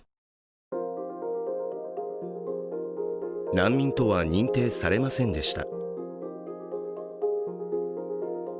難民とは認定されませんでした。